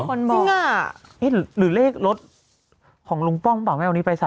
คุณบอกสินะหรือเลขลดของลุงป้องป่ะไหม